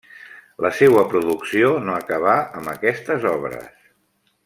La seua producció no acabà amb aquestes obres.